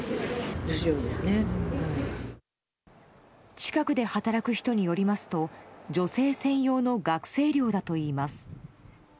近くで働く人によりますと女性専用の学生寮だといいます。